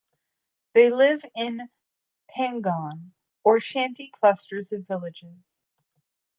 They live in "Pangone" or shanty clusters of villages.